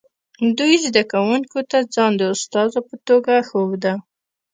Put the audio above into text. دوی زده کوونکو ته ځان د استازو په توګه ښوده